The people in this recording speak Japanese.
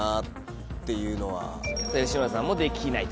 吉村さんも「できない」と。